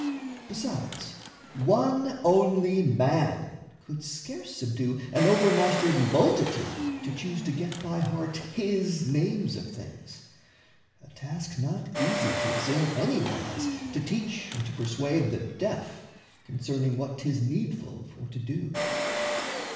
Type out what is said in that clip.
Besides, one only man could scarce subdue An overmastered multitude to choose To get by heart his names of things. A task Not easy 'tis in any wise to teach And to persuade the deaf concerning what 'Tis needful for to do.